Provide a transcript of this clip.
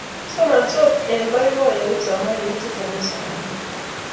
somansot eng' boiboiyo kipsomaninik che chomei somanet